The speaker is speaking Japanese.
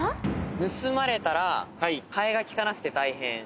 盗まれたら替えがきかなくて大変。